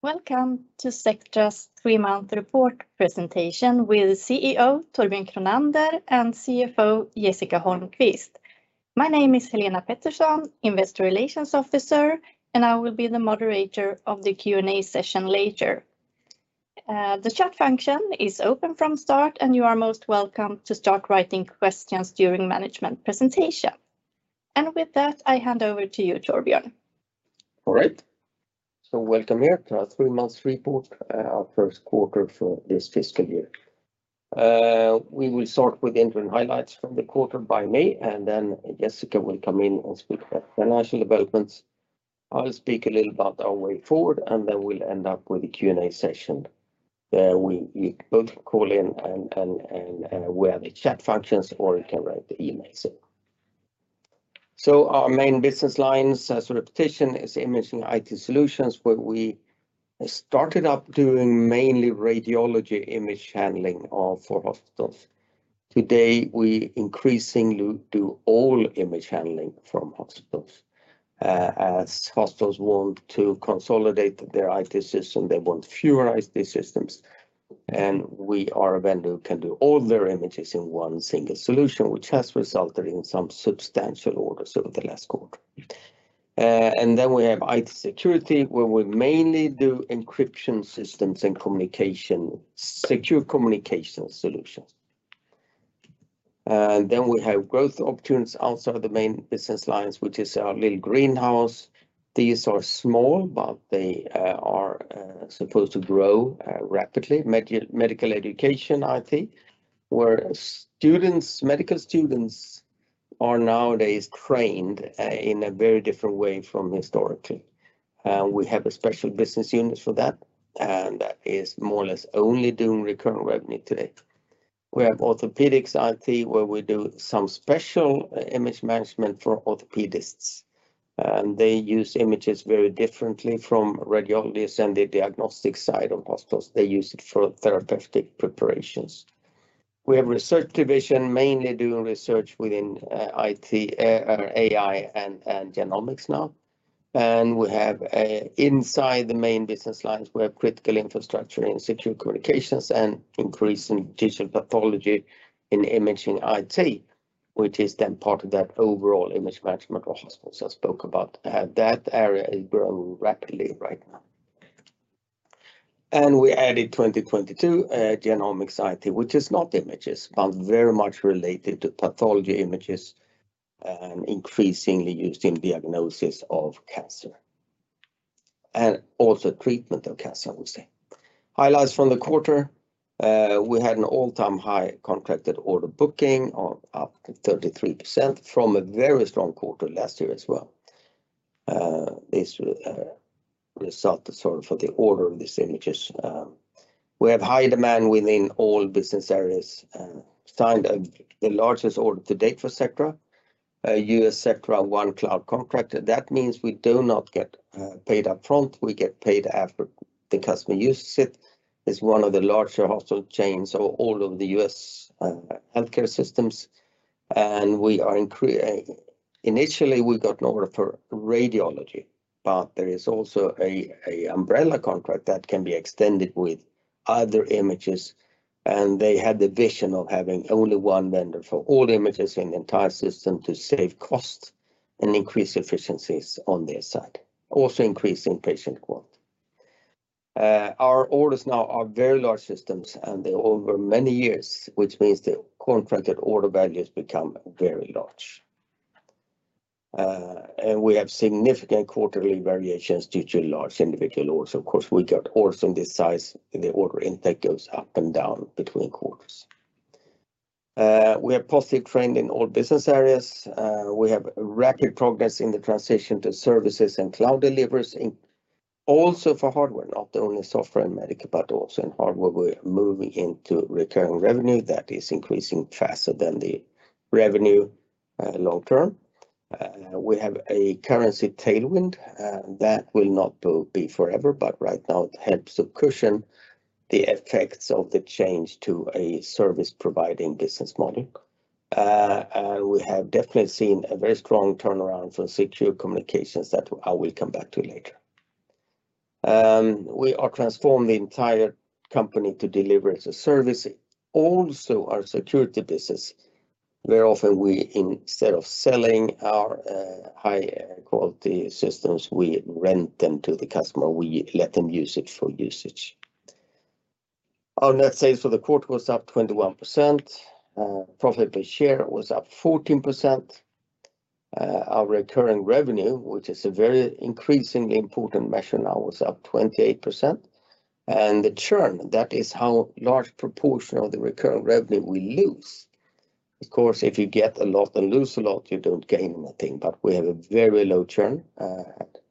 Welcome to Sectra's three-month report presentation with CEO Torbjörn Kronander, and CFO Jessica Holmquist. My name is Helena Pettersson, Investor Relations Officer, and I will be the moderator of the Q&A session later. The chat function is open from start, and you are most welcome to start writing questions during management presentation. And with that, I hand over to you, Torbjörn. All right. So welcome here to our three-month report, our first quarter for this fiscal year. We will start with the interim highlights from the quarter by me, and then Jessica will come in and speak about the financial developments. I'll speak a little about our way forward, and then we'll end up with the Q&A session, where you both call in and via the chat functions, or you can write the emails in. So our main business lines, as Imaging IT Solutions, where we started up doing mainly radiology image handling for hospitals. Today, we increasingly do all image handling from hospitals, as hospitals want to consolidate their IT system, they want fewer IT systems, and we are a vendor who can do all their images in one single solution, which has resulted in some substantial orders over the last quarter. And then we have IT security, where we mainly do encryption systems and communication, secure communication solutions. And then we have growth opportunities outside the main business lines, which is our little greenhouse. These are small, but they are supposed to grow rapidly. Medical Education IT, where students, medical students are nowadays trained in a very different way from historically. We have a special business unit for that, and that is more or less only doing recurring revenue today. We Orthopaedics IT, where we do some special image management for orthopedists, and they use images very differently from radiologists and the diagnostic side of hospitals. They use it for therapeutic preparations. We have research division, mainly doing research within IT, AI and genomics now. And we have, inside the main business lines, we have critical infrastructure and Secure Communications and increase in digital pathology in imaging IT, which is then part of that overall image management of hospitals I spoke about. That area is growing rapidly right now. And we added 2022, Genomics IT, which is not images, but very much related to pathology images and increasingly used in diagnosis of cancer, and also treatment of cancer, I would say. Highlights from the quarter, we had an all-time high contracted order booking of up to 33% from a very strong quarter last year as well. This result is sort of for the order of these images. We have high demand within all business areas, signed the largest order to date for Sectra, a U.S. Sectra One Cloud contract. That means we do not get paid up front. We get paid after the customer uses it. It's one of the larger hospital chains of all of the U.S. healthcare systems, and we initially got an order for radiology, but there is also an umbrella contract that can be extended with other images, and they had the vision of having only one vendor for all images in the entire system to save cost and increase efficiencies on their side, also increasing patient throughput. Our orders now are very large systems, and they're over many years, which means the contracted order values become very large. We have significant quarterly variations due to large individual orders. Of course, we got orders in this size, and the order intake goes up and down between quarters. We are positive trend in all business areas. We have rapid progress in the transition to services and cloud deliveries, and also for hardware, not only software and medical, but also in hardware. We're moving into recurring revenue that is increasing faster than the revenue, long term. We have a currency tailwind, that will not be forever, but right now it helps to cushion the effects of the change to a service-providing business model. And we have definitely seen a very strong turnaround for Secure Communications that I will come back to later. We are transforming the entire company to deliver as a service. Also, our security business, where often we, instead of selling our, high quality systems, we rent them to the customer. We let them use it for usage. Our net sales for the quarter was up 21%. Profit per share was up 14%. Our recurring revenue, which is a very increasingly important measure now, was up 28%. The churn, that is how large proportion of the recurring revenue we lose. Of course, if you get a lot and lose a lot, you don't gain nothing, but we have a very low churn,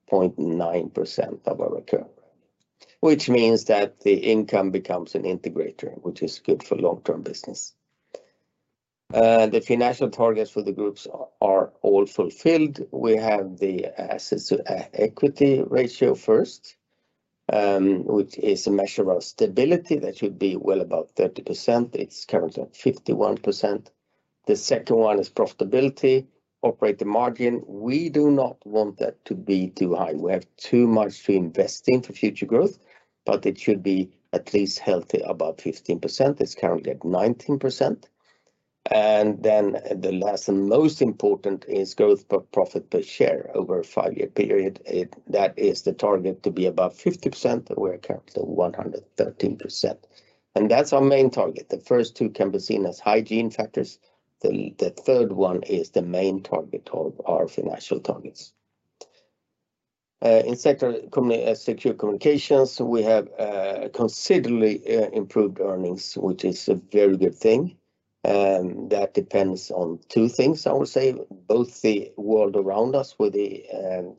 0.9% of our recurring, which means that the income becomes an integrator, which is good for long-term business. The financial targets for the groups are all fulfilled. We have the assets equity ratio first, which is a measure of stability that should be well above 30%. It's currently at 51%. The second one is profitability, operating margin. We do not want that to be too high. We have too much to invest in for future growth, but it should be at least healthy, above 15%. It's currently at 19%. And then the last and most important is growth per profit per share over a five-year period. It, that is the target to be above 50%, and we're currently at 113%, and that's our main target. The first two can be seen as hygiene factors. The third one is the main target of our financial targets. In Sectra Secure Communications, we have considerably improved earnings, which is a very good thing, and that depends on two things, I would say. Both the world around us, with the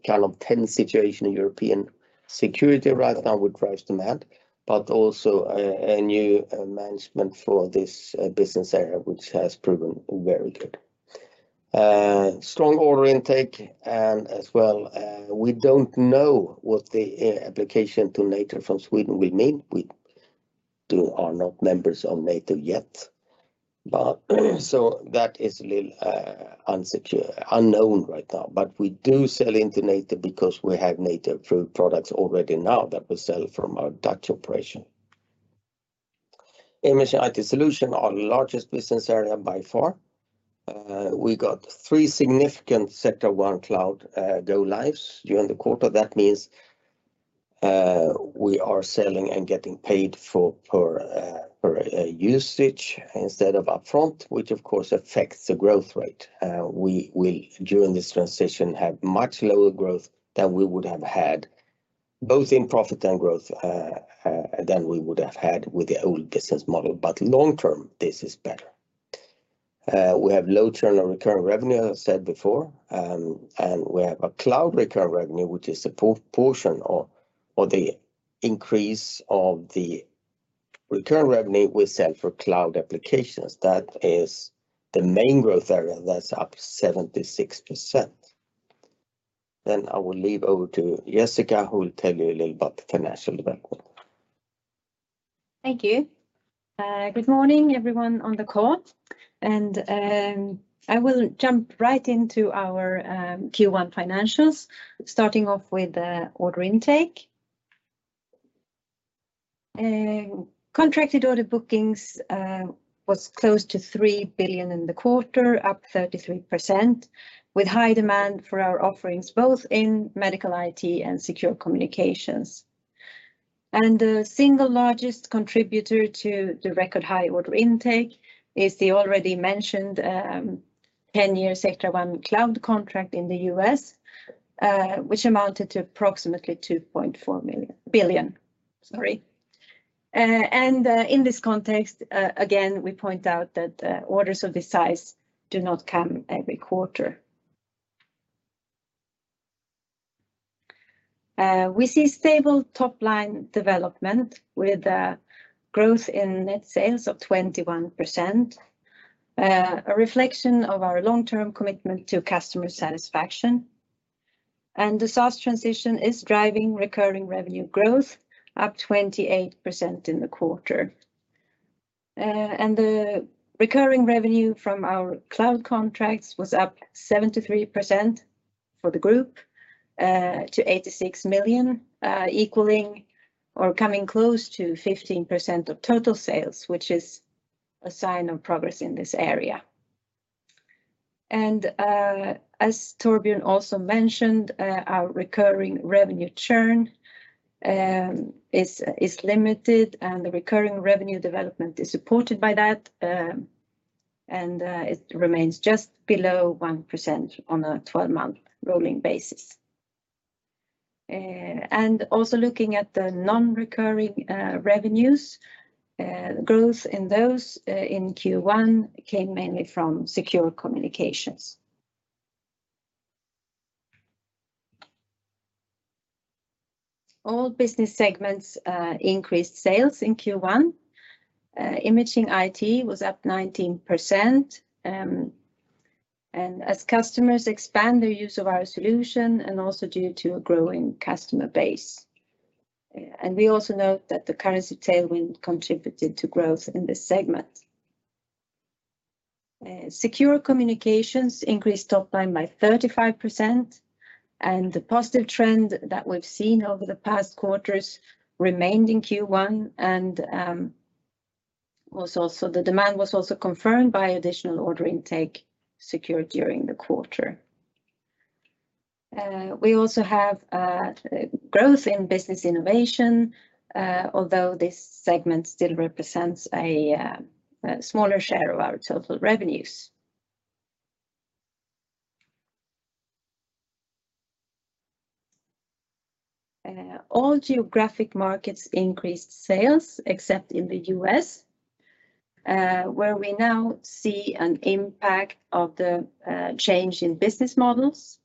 kind of tense situation in European security right now, with price demand, but also a new management for this business area, which has proven very good. Strong order intake, and as well, we don't know what the application to NATO from Sweden will mean. We are not members of NATO yet, but so that is a little unknown right now. But we do sell into NATO because we have NATO products already now that we sell from our Imaging IT Solutions, our largest business area by far. We got three significant Sectra One Cloud go-lives during the quarter. That means, we are selling and getting paid for usage instead of upfront, which of course affects the growth rate. We will, during this transition, have much lower growth than we would have had, both in profit and growth, than we would have had with the old business model, but long term, this is better. We have low churn on recurring revenue, as I said before, and we have a cloud recurring revenue, which is a portion of the increase of the recurring revenue we sell for cloud applications. That is the main growth area. That's up 76%. Then I will leave over to Jessica, who will tell you a little about the financial development. Thank you. Good morning, everyone on the call, and, I will jump right into our, Q1 financials, starting off with the order intake. Contracted order bookings was close to 3 billion in the quarter, up 33%, with high demand for our offerings, both in Medical IT and Secure Communications. And the single largest contributor to the record high order intake is the already mentioned, 10-year Sectra One Cloud contract in the U.S., which amounted to approximately 2.4 billion, sorry. And, in this context, again, we point out that, orders of this size do not come every quarter. We see stable top-line development with a growth in net sales of 21%, a reflection of our long-term commitment to customer satisfaction, and the SaaS transition is driving recurring revenue growth, up 28% in the quarter. And the recurring revenue from our cloud contracts was up 73% for the group to 86 million, equaling or coming close to 15% of total sales, which is a sign of progress in this area. And as Torbjörn also mentioned, our recurring revenue churn is limited, and the recurring revenue development is supported by that, and it remains just below 1% on a 12-month rolling basis. And also looking at the non-recurring revenues, growth in those in Q1 came mainly from Secure Communications. All business segments increased sales in Q1. Imaging IT was up 19%, and as customers expand their use of our solution and also due to a growing customer base. We also note that the currency tailwind contributed to growth in this segment. Secure Communications increased top line by 35%, and the positive trend that we've seen over the past quarters remained in Q1, and the demand was also confirmed by additional order intake secured during the quarter. We also have growth in Business Innovation, although this segment still represents a smaller share of our total revenues. All geographic markets increased sales, except in the U.S., where we now see an impact of the change in business models.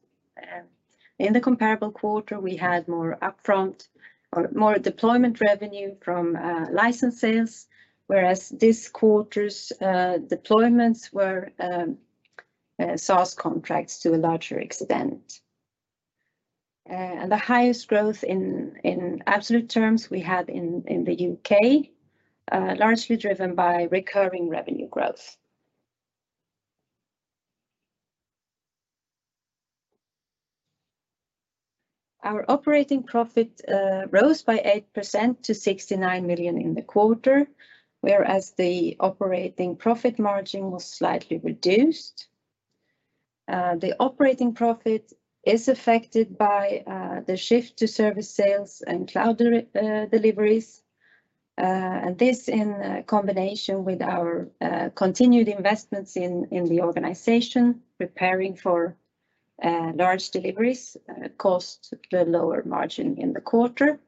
In the comparable quarter, we had more upfront or more deployment revenue from license sales, whereas this quarter's deployments were SaaS contracts to a larger extent. The highest growth in absolute terms we had in the U.K., largely driven by recurring revenue growth. Our operating profit rose by 8% to 69 million in the quarter, whereas the operating profit margin was slightly reduced. The operating profit is affected by the shift to service sales and cloud deliveries. This, in combination with our continued investments in the organization, preparing for large deliveries, cost the lower margin in the quarter.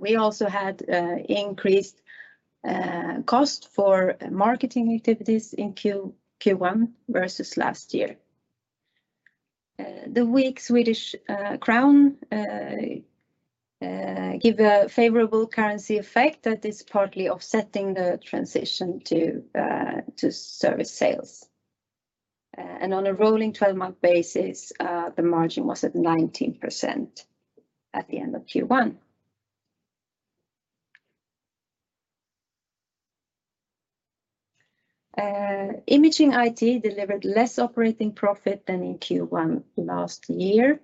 We also had increased cost for marketing activities in Q1 versus last year. The weak Swedish crown give a favorable currency effect that is partly offsetting the transition to service sales. On a rolling 12-month basis, the margin was at 19% at the end of Q1. Imaging IT delivered less operating profit than in Q1 last year.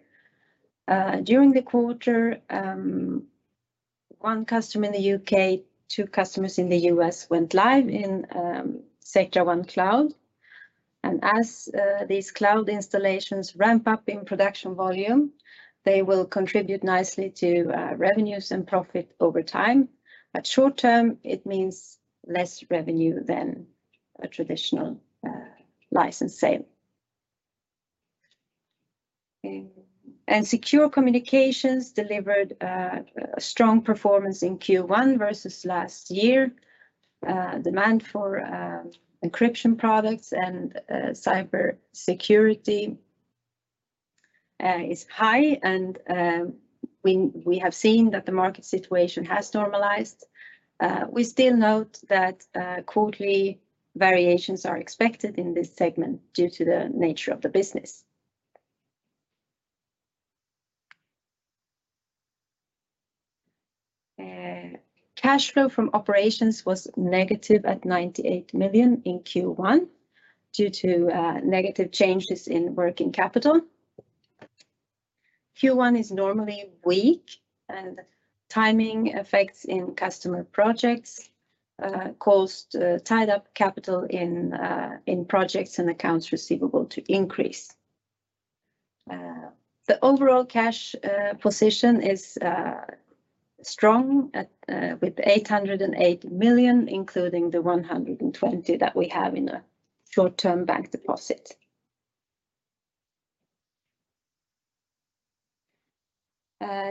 During the quarter, one customer in the U.K., two customers in the U.S. went live in Sectra One Cloud. As these cloud installations ramp up in production volume, they will contribute nicely to revenues and profit over time. But short term, it means less revenue than a traditional license sale. Secure Communications delivered a strong performance in Q1 versus last year. Demand for encryption products and cyber security is high, and we have seen that the market situation has normalized. We still note that quarterly variations are expected in this segment due to the nature of the business. Cash flow from operations was negative at 98 million in Q1 due to negative changes in working capital. Q1 is normally weak, and timing effects in customer projects caused tied up capital in projects and accounts receivable to increase. The overall cash position is strong at with 808 million, including the 120 that we have in a short-term bank deposit.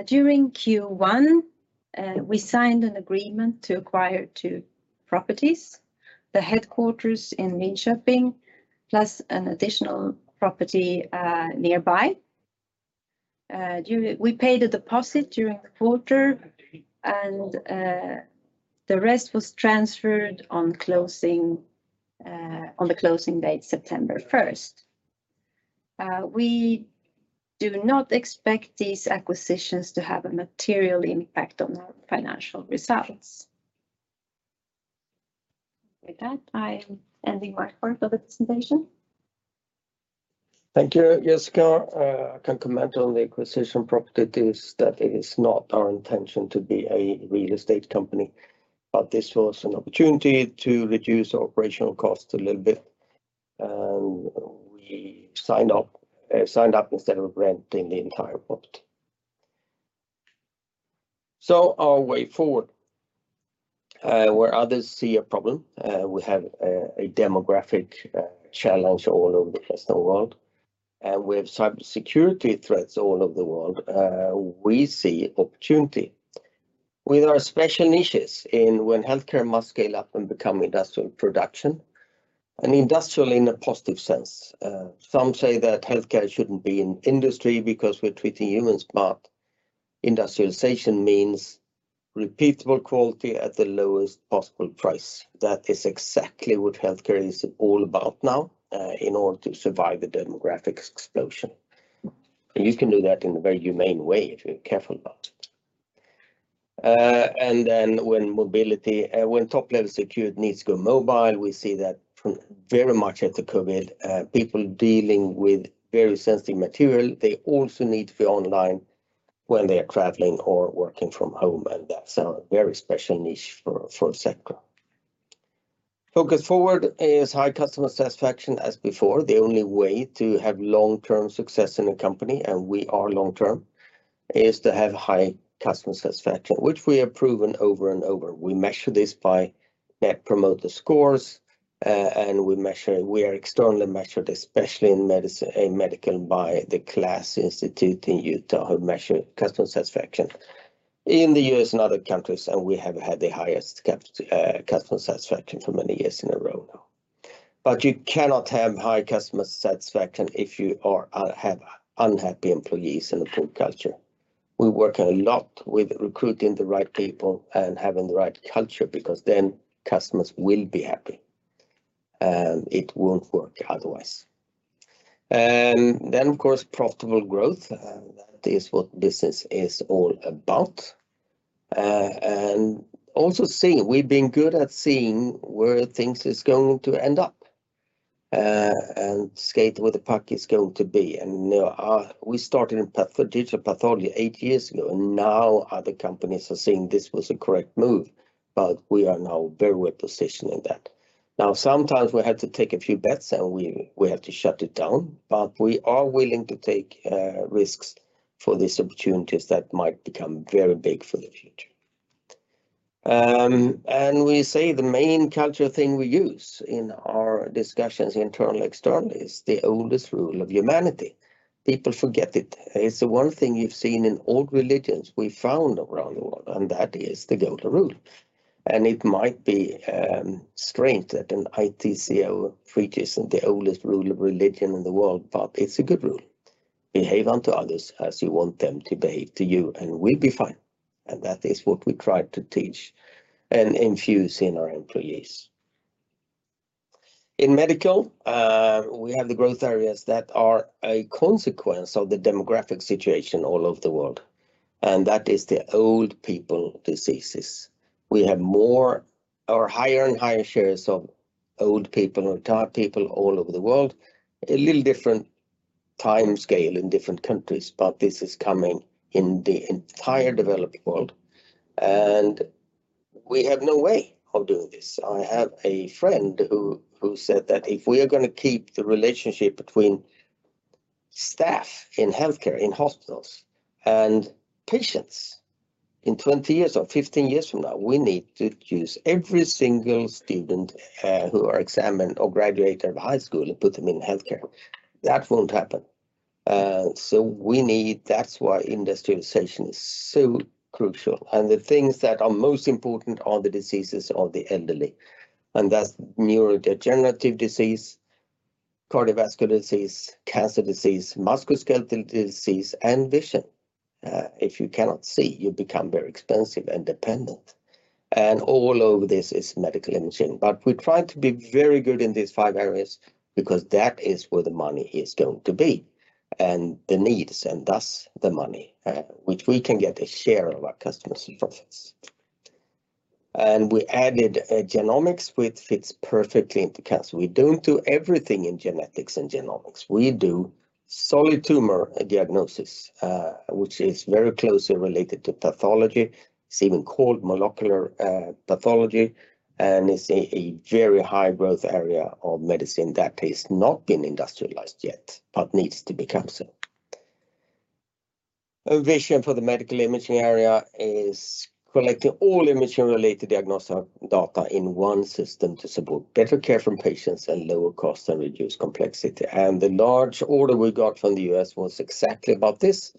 During Q1, we signed an agreement to acquire two properties, the headquarters in Linköping, plus an additional property nearby. We paid a deposit during the quarter, and the rest was transferred on closing, on the closing date, September first. We do not expect these acquisitions to have a material impact on our financial results. With that, I'm ending my part of the presentation. Thank you, Jessica. I can comment on the acquisition properties, that it is not our intention to be a real estate company, but this was an opportunity to reduce operational costs a little bit, and we signed up instead of renting the entire property. So our way forward, where others see a problem, we have a demographic challenge all over the western world, and we have cybersecurity threats all over the world, we see opportunity. With our special niches in when healthcare must scale up and become industrial production, and industrial in a positive sense. Some say that healthcare shouldn't be an industry because we're treating humans, but industrialization means repeatable quality at the lowest possible price. That is exactly what healthcare is all about now, in order to survive the demographic explosion. You can do that in a very humane way, if you're careful about it. And then when mobility, when top-level security needs to go mobile, we see that from very much after COVID, people dealing with very sensitive material, they also need to be online when they are traveling or working from home, and that's a very special niche for Sectra. Focus forward is high customer satisfaction as before. The only way to have long-term success in a company, and we are long term, is to have high customer satisfaction, which we have proven over and over. We measure this by Net Promoter scores, and we measure... We are externally measured, especially in medicine, in medical, by the KLAS Research in Utah, who measure customer satisfaction in the U.S. and other countries, and we have had the highest customer satisfaction for many years in a row now. But you cannot have high customer satisfaction if you are have unhappy employees and a poor culture. We work a lot with recruiting the right people and having the right culture, because then customers will be happy. It won't work otherwise. Then, of course, profitable growth, that is what business is all about. And also seeing, we've been good at seeing where things is going to end up, and skate where the puck is going to be. We started in pathology for digital pathology eight years ago, and now other companies are seeing this was a correct move, but we are now very well positioned in that. Now, sometimes we have to take a few bets, and we have to shut it down, but we are willing to take risks for these opportunities that might become very big for the future. And we say the main culture thing we use in our discussions, internal and external, is the oldest rule of humanity. People forget it. It's the one thing you've seen in all religions we found around the world, and that is the golden rule. And it might be strange that an IT CEO preaches the oldest rule of religion in the world, but it's a good rule. Behave unto others as you want them to behave to you, and we'll be fine, and that is what we try to teach and infuse in our employees. In medical, we have the growth areas that are a consequence of the demographic situation all over the world, and that is the old people diseases. We have more or higher and higher shares of old people or retired people all over the world. A little different timescale in different countries, but this is coming in the entire developed world, and we have no way of doing this. I have a friend who said that if we are gonna keep the relationship between staff in healthcare, in hospitals, and patients in 20 years or 15 years from now, we need to use every single student who are examined or graduated high school and put them in healthcare. That won't happen. So we need... That's why industrialization is so crucial, and the things that are most important are the diseases of the elderly, and that's neurodegenerative disease, cardiovascular disease, cancer disease, musculoskeletal disease, and vision. If you cannot see, you become very expensive and dependent, and all over this is medical imaging. But we try to be very good in these five areas because that is where the money is going to be, and the needs, and thus the money, which we can get a share of our customers' profits. And we added, genomics, which fits perfectly into cancer. We don't do everything in genetics and genomics. We do solid tumor diagnosis, which is very closely related to pathology. It's even called molecular pathology, and it's a very high growth area of medicine that has not been industrialized yet, but needs to become so. Our vision for the medical imaging area is collecting all imaging-related diagnostic data in one system to support better care from patients and lower cost and reduce complexity. The large order we got from the U.S. was exactly about this.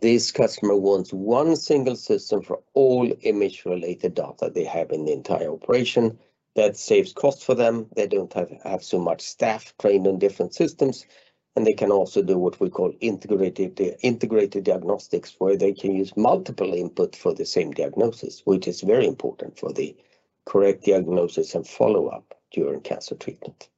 This customer wants one single system for all image-related data they have in the entire operation. That saves cost for them. They don't have so much staff trained on different systems, and they can also do what we call integrated diagnostics, where they can use multiple input for the same diagnosis, which is very important for the correct diagnosis and follow-up during cancer treatment.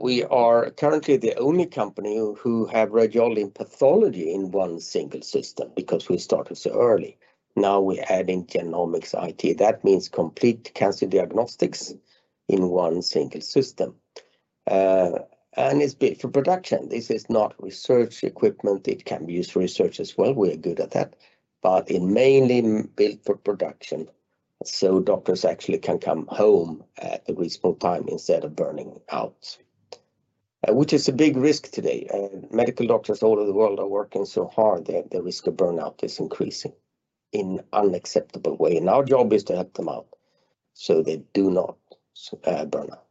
We are currently the only company who have radiology and pathology in one single system because we started so early. Now we're adding Genomics IT. That means complete cancer diagnostics in one single system. And it's built for production. This is not research equipment. It can be used for research as well. We're good at that. But it mainly built for production, so doctors actually can come home at a reasonable time instead of burning out, which is a big risk today. Medical doctors all over the world are working so hard that the risk of burnout is increasing in unacceptable way, and our job is to help them out, so they do not burn out.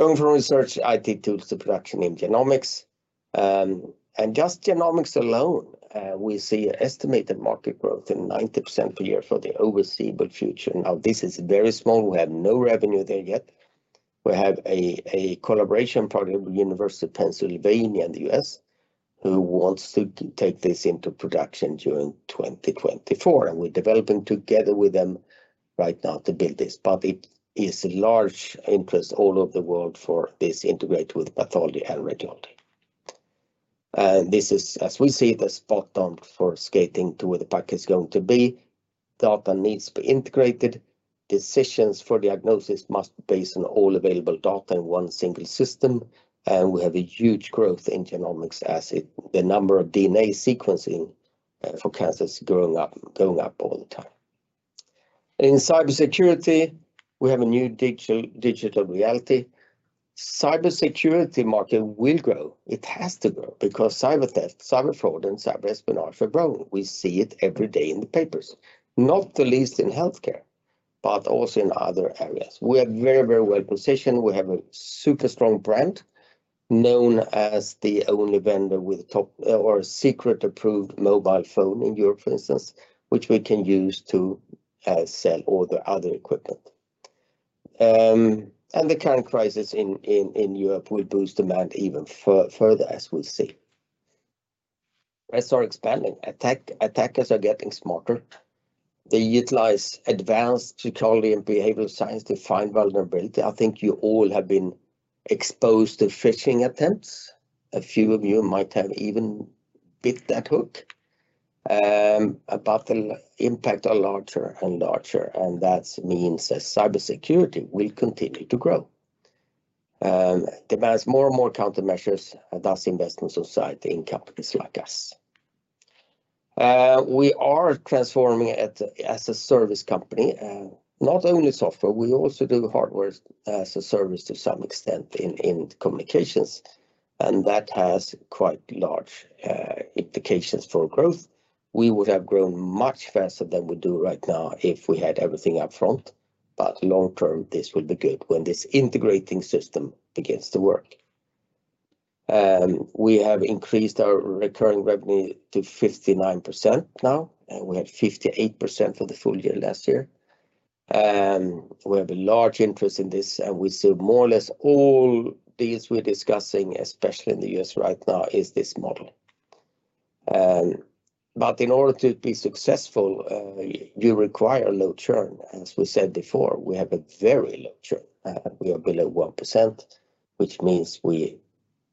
Going from research IT tools to production in genomics, and just genomics alone, we see an estimated market growth in 90% per year for the foreseeable future. Now, this is very small. We have no revenue there yet. We have a collaboration project with the University of Pennsylvania in the U.S., who wants to take this into production during 2024, and we're developing together with them right now to build this. But it is a large interest all over the world for this integrated with pathology and radiology. And this is, as we see, the spot on for skating to where the puck is going to be. Data needs to be integrated. Decisions for diagnosis must be based on all available data in one single system, and we have a huge growth in genomics as the number of DNA sequencing for cancer is going up, going up all the time. In cybersecurity, we have a new digital reality. Cybersecurity market will grow. It has to grow because cyber theft, cyber fraud, and cyber espionage are growing. We see it every day in the papers, not the least in healthcare, but also in other areas. We are very, very well positioned. We have a super strong brand, known as the only vendor with top secret approved mobile phone in Europe, for instance, which we can use to sell all the other equipment. The current crisis in Europe will boost demand even further, as we'll see. Threats are expanding. Attackers are getting smarter. They utilize advanced psychology and behavioral science to find vulnerability. I think you all have been exposed to phishing attempts. A few of you might have even bit that hook. But the impact are larger and larger, and that means that cybersecurity will continue to grow, demands more and more countermeasures, and thus invest in society, in companies like us. We are transforming as a service company. Not only software, we also do hardware as a service to some extent in communications, and that has quite large implications for growth. We would have grown much faster than we do right now if we had everything up front, but long term, this will be good when this integrating system begins to work. We have increased our recurring revenue to 59% now, and we had 58% for the full year last year. We have a large interest in this, and we see more or less all deals we're discussing, especially in the U.S. right now, is this model. But in order to be successful, you require low churn. As we said before, we have a very low churn. We are below 1%, which means we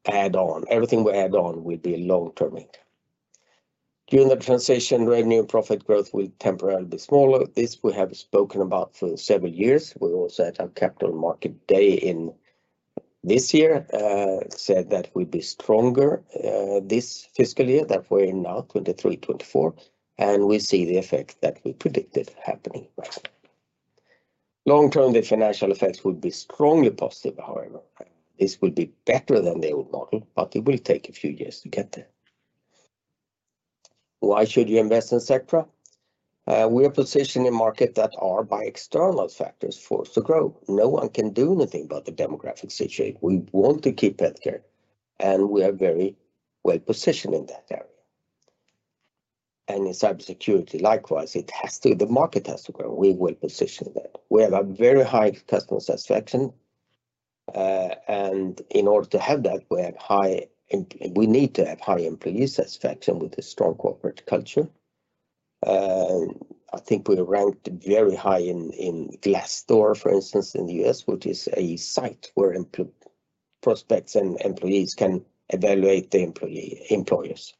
add on... Everything we add on will be long-term income. During the transition, revenue and profit growth will temporarily be smaller. This we have spoken about for several years. We also, at our capital market day in this year, said that we'd be stronger, this fiscal year, that we're in now, 2023, 2024, and we see the effect that we predicted happening right now. Long term, the financial effects will be strongly positive, however. This will be better than the old model, but it will take a few years to get there. Why should you invest in Sectra? We are positioned in markets that are, by external factors, forced to grow. No one can do anything about the demographic situation. We want to keep healthcare, and we are very well positioned in that area. And in cybersecurity, likewise, it has to, the market has to grow. We are well positioned there. We have a very high customer satisfaction, and in order to have that, we have high, and we need to have high employee satisfaction with a strong corporate culture. I think we ranked very high in Glassdoor, for instance, in the U.S., which is a site where job prospects and employees can evaluate the employers.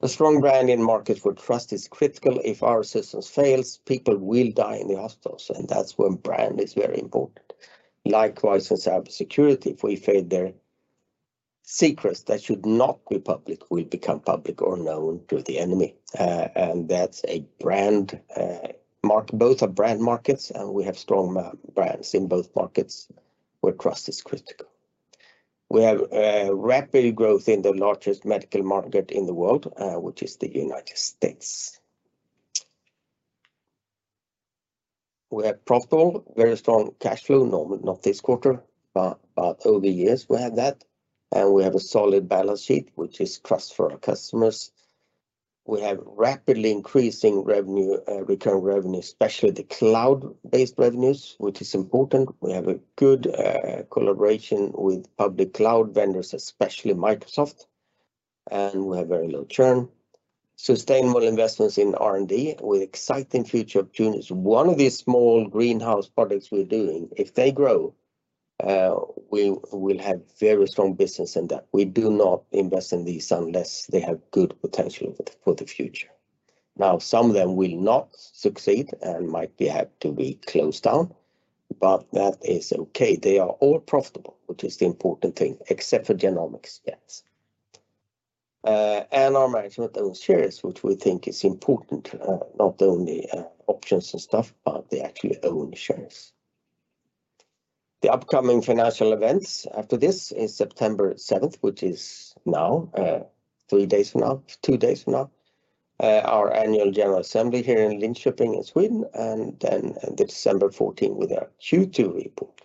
A strong brand in market where trust is critical, if our systems fails, people will die in the hospitals, and that's when brand is very important. Likewise, in cybersecurity, if we fail there, secrets that should not be public will become public or known to the enemy, and that's a brand. Both are brand markets, and we have strong brands in both markets, where trust is critical. We have rapidly growth in the largest medical market in the world, which is the United States. We are profitable, very strong cash flow, not this quarter, but over the years we have that, and we have a solid balance sheet, which is trust for our customers. We have rapidly increasing revenue, recurring revenue, especially the cloud-based revenues, which is important. We have a good collaboration with public cloud vendors, especially Microsoft, and we have very low churn. Sustainable investments in R&D with exciting future opportunities. One of the small greenhouse products we're doing, if they grow, we will have very strong business in that. We do not invest in these unless they have good potential for the future. Now, some of them will not succeed and might have to be closed down, but that is okay. They are all profitable, which is the important thing, except for Genomics IT. And our management owns shares, which we think is important, not only options and stuff, but they actually own shares. The upcoming financial events after this is September seventh, which is now, three days from now, two days from now, our annual general assembly here in Linköping, in Sweden, and then the December fourteenth with our Q2 report.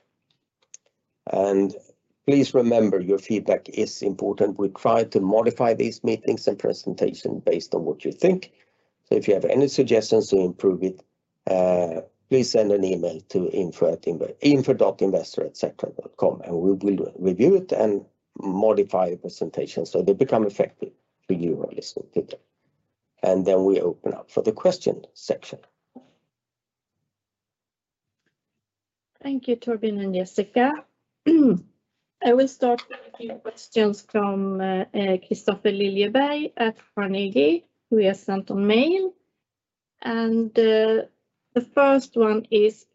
Please remember, your feedback is important. We try to modify these meetings and presentation based on what you think, so if you have any suggestions to improve it, please send an email to info.investor@sectra.com, and we will review it and modify the presentation so they become effective for you when you listen to them. Then we open up for the question section. Thank you, Torbjörn and Jessica. I will start with a few questions from Kristofer Liljeberg at Carnegie, who we have sent an email. The first one is,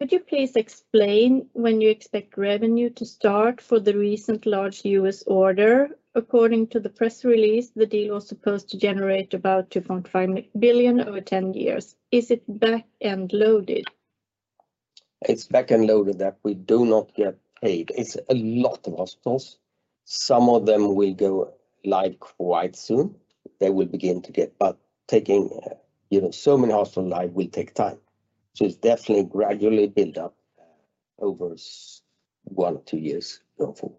"Could you please explain when you expect revenue to start for the recent large U.S. order? According to the press release, the deal was supposed to generate about $2.5 billion over 10 years. Is it back-end loaded? It's back-end loaded, that we do not get paid. It's a lot of hospitals. Some of them will go live quite soon. They will begin to get, but taking, you know, so many hospital live will take time, so it's definitely gradually build up over one or two years going forward.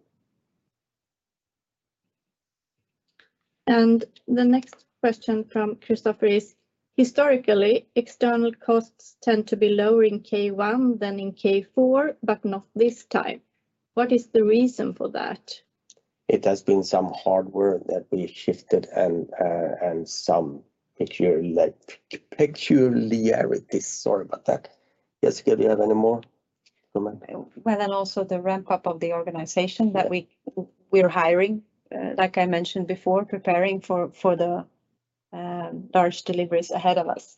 The next question from Kristofer is: "Historically, external costs tend to be lower in Q1 than in Q4, but not this time.... What is the reason for that? It has been some hardware that we shifted and, and some picture, like, peculiarities. Sorry about that. Jessica, do you have any more comment? Well, and also the ramp up of the organization that we're hiring, like I mentioned before, preparing for the large deliveries ahead of us.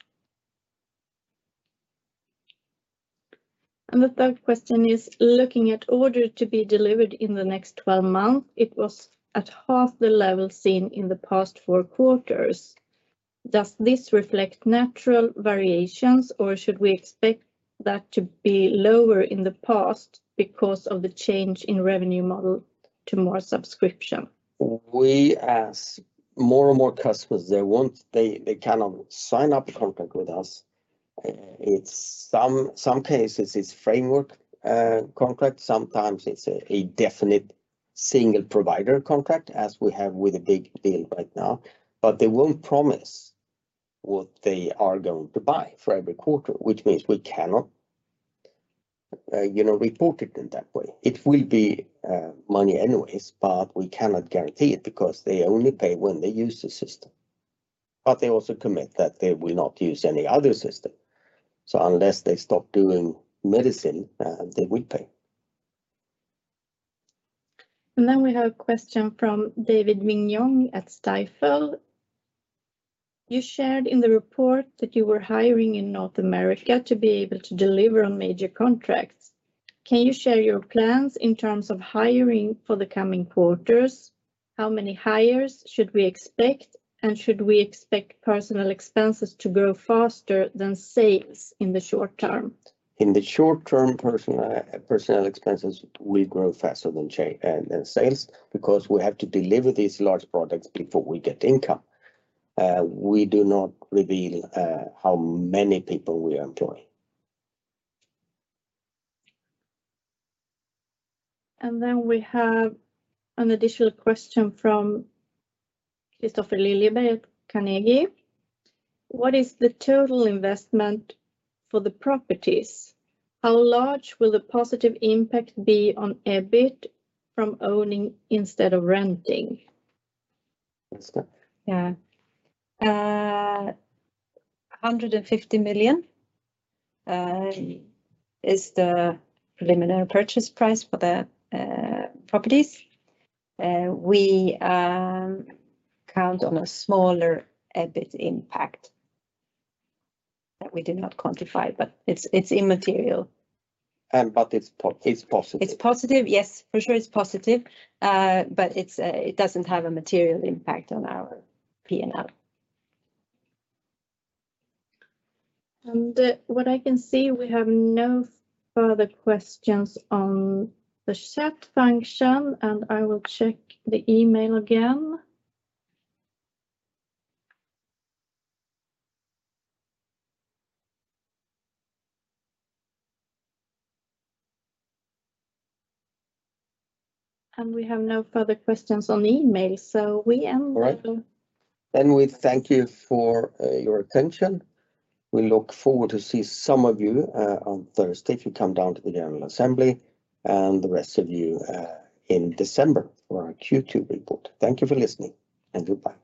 The third question is, looking at order to be delivered in the next 12 months, it was at half the level seen in the past four quarters. Does this reflect natural variations, or should we expect that to be lower in the past because of the change in revenue model to more subscription? We ask more and more customers, they want, they cannot sign up a contract with us. It's some cases, it's framework contract, sometimes it's a definite single provider contract, as we have with a big deal right now. But they won't promise what they are going to buy for every quarter, which means we cannot, you know, report it in that way. It will be money anyways, but we cannot guarantee it, because they only pay when they use the system. But they also commit that they will not use any other system. So unless they stop doing medicine, they will pay. Then we have a question from David Vignon at Stifel. You shared in the report that you were hiring in North America to be able to deliver on major contracts. Can you share your plans in terms of hiring for the coming quarters? How many hires should we expect, and should we expect personnel expenses to grow faster than sales in the short term? In the short term, personal expenses will grow faster than sales, because we have to deliver these large products before we get income. We do not reveal how many people we employ. And then we have an additional question from Kristofer Liljeberg, Carnegie. What is the total investment for the properties? How large will the positive impact be on EBITDA from owning instead of renting? Yeah. 150 million is the preliminary purchase price for the properties. We count on a smaller EBITDA impact that we did not quantify, but it's immaterial. But it's positive. It's positive, yes. For sure, it's positive, but it doesn't have a material impact on our P&L. What I can see, we have no further questions on the chat function, and I will check the email again. We have no further questions on the email, so we end the- All right. Then we thank you for your attention. We look forward to see some of you on Thursday, if you come down to the general assembly, and the rest of you in December for our Q2 report. Thank you for listening, and goodbye.